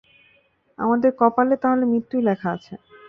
আমাদেরও কপালে তাহলে মৃত্যুই লেখা আছে।